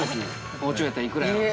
包丁やったら、幾らやろうって。